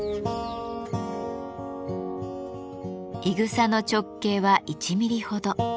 いぐさの直径は１ミリほど。